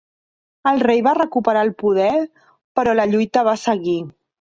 El rei va recuperar el poder però la lluita va seguir.